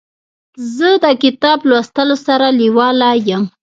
زه د کتاب لوستلو سره لیواله یم.